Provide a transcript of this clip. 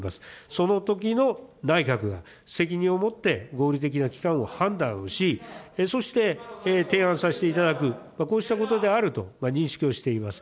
そのときの内閣が責任を持って合理的な期間を判断をし、そして提案させていただく、こうしたことであると認識をしています。